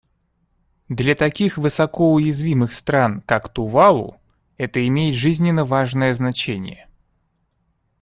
Для таких высоко уязвимых стран, как Тувалу, это имеет жизненно важное значение.